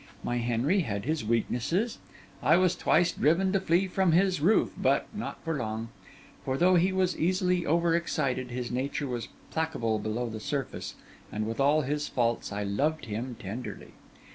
My Henry had his weaknesses; I was twice driven to flee from his roof, but not for long; for though he was easily over excited, his nature was placable below the surface, and with all his faults, I loved him tenderly.